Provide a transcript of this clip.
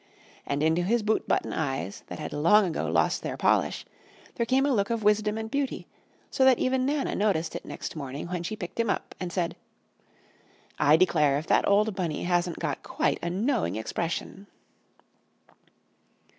And into his boot button eyes, that had long ago lost their polish, there came a look of wisdom and beauty, so that even Nana noticed it next morning when she picked him up, and said, "I declare if that old Bunny hasn't got quite a knowing expression!"